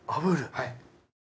はい。